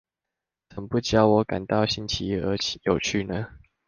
怎不教我感到新奇而有趣呢？